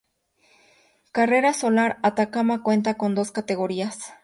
Carrera Solar Atacama cuenta con dos categorías.